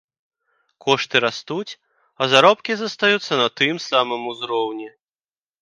Кошты растуць, а заробкі застаюцца на тым самым узроўні.